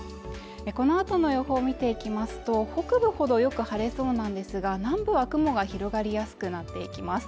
この後の予報を見ていきますと北部ほどよく晴れそうなんですが南部は雲が広がりやすくなっていきます。